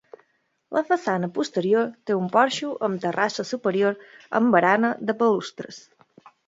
La façana posterior té un porxo amb terrassa superior amb barana de balustres.